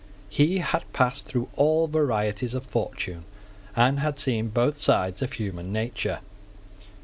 He had passed through all varieties of fortune, and had seen both sides of human nature.